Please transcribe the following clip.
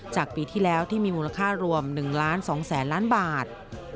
จากปีที่แล้วที่มีมูลค่ารวม๑ล้าน๒แสนล้านบาท